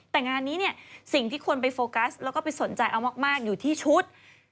แต่งานนี้เนี่ยสิ่งที่คนไปโฟกัสแล้วก็ไปสนใจเอามากอยู่ที่ชุด